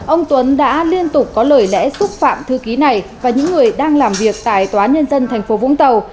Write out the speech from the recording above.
ông tuấn đã liên tục có lời lẽ xúc phạm thư ký này và những người đang làm việc tại tòa nhân dân tp vũng tàu